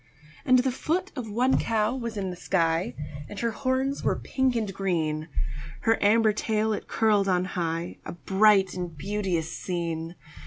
And the foot of one cow was in the sky, And her horns were pink and green; Her amber tail it curled on high A bright and beauteous scene.